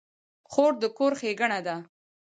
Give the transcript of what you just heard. خور د کور ښېګڼه ده.